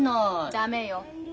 駄目よ。